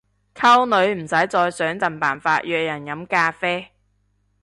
溝女唔使再想盡辦法約人飲咖啡